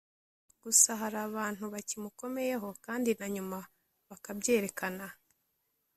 gusa hari abari bakimukomeyeho kandi na nyuma bakabyerekana.